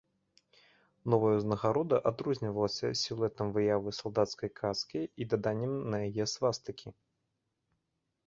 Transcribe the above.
Новая узнагарода адрознівалася сілуэтам выявы салдацкай каскі і даданнем на яе свастыкі.